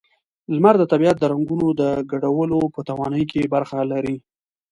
لمر د طبیعت د رنگونو د ګډولو په توانایۍ کې برخه لري.